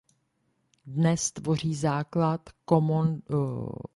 Dnes tvoří základ Common Desktop Environment.